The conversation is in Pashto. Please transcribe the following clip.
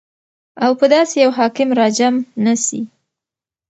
او په داسي يو حاكم راجمع نسي